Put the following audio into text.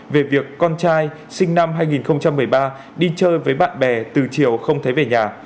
về việc con trai sinh năm hai nghìn một mươi ba đi chơi với bạn bè từ chiều không thấy về nhà